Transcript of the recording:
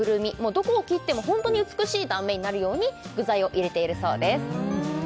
どこを切ってもホントに美しい断面になるように具材を入れているそうです